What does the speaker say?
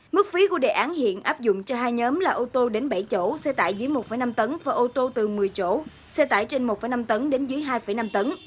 mức phí của đề án hiện áp dụng cho hai nhóm là ô tô đến bảy chỗ xe tải dưới một năm tấn và ô tô từ một mươi chỗ xe tải trên một năm tấn đến dưới hai năm tấn